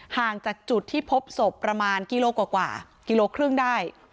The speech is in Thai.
ห่างจากจุดที่พบศพประมาณกิโลกรัมได้